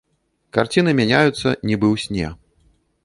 Карціны мяняюцца, нібы ў сне.